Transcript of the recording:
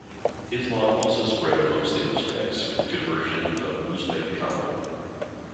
Islam also spread amongst the Uzbeks with the conversion of Uzbeg Khan.